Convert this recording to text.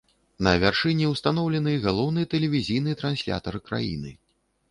На вяршыні ўстаноўлены галоўны тэлевізійны транслятар краіны.